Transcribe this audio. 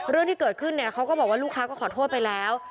เรื่องที่เกิดขึ้นเนี่ยเขาก็บอกว่าลูกค้าก็ขอโทษไปแล้ว